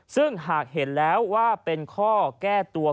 ซึ่งหากเห็นแล้วว่าเป็นข้อแก้ตัว